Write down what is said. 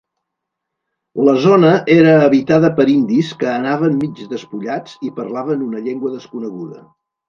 La zona era habitada per indis que anaven mig despullats i parlaven una llengua desconeguda.